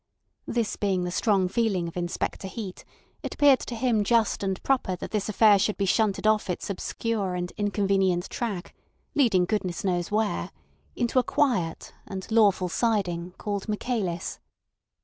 This being the strong feeling of Inspector Heat, it appeared to him just and proper that this affair should be shunted off its obscure and inconvenient track, leading goodness knows where, into a quiet (and lawful) siding called Michaelis.